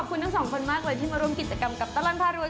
คุณทั้งสองคนมากเลยที่มาร่วมกิจกรรมกับตลอดพารวย